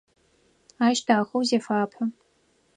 Ащ дахэу зефапэ.